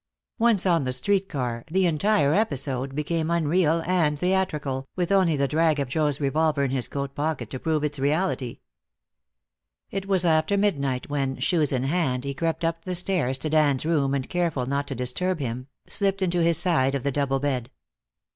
Once on the street car, the entire episode became unreal and theatrical, with only the drag of Joe's revolver in his coat pocket to prove its reality. It was after midnight when, shoes in hand, he crept up the stairs to Dan's room, and careful not to disturb him, slipped into his side of the double bed.